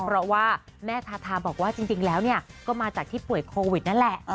เพราะว่าแม่ทาทาบอกว่าจริงแล้วก็มาจากที่ป่วยโควิดนั่นแหละ